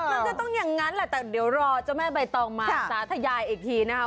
มันจะต้องอย่างนั้นแหละแต่เดี๋ยวรอเจ้าแม่ใบตองมาสาธยายอีกทีนะคะ